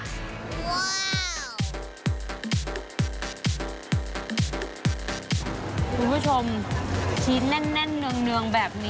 คุณผู้ชมชี้แน่นเนืองแบบนี้